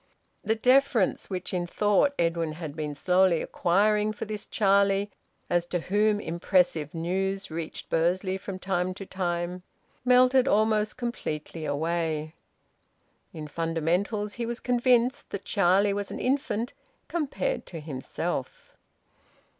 The deference which in thought Edwin had been slowly acquiring for this Charlie, as to whom impressive news reached Bursley from time to time, melted almost completely away. In fundamentals he was convinced that Charlie was an infant compared to himself.